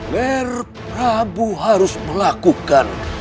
ger prabu harus melakukan